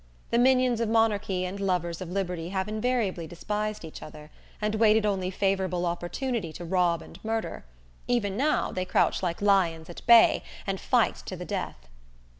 The minions of monarchy and lovers of liberty have invariably despised each other, and waited only favorable opportunity to rob and murder. Even now, they crouch like lions at bay, and fight to the death.